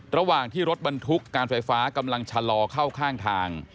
ระหว่างที่รถบรรทุกการไฟฟ้ากำลังชะลอเข้าข้างทาง